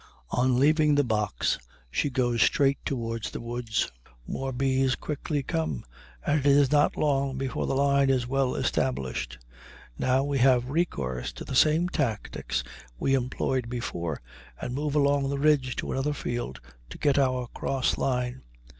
On leaving the box, she goes straight toward the woods. More bees quickly come, and it is not long before the line is well established. Now we have recourse to the same tactics we employed before, and move along the ridge to another field to get our cross line.